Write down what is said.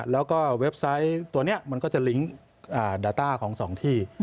แล้วก็เว็บไซต์ตัวนี้มันก็จะลิงก์ดาต้าของสองที่